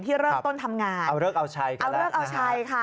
ที่เริ่มต้นทำงานเอาเลิกเอาชัยก่อนแรก